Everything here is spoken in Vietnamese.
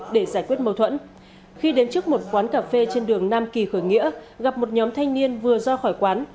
để giải quyết mâu thuẫn khi đến trước một quán cà phê trên đường nam kỳ khởi nghĩa gặp một nhóm thanh niên vừa ra khỏi quán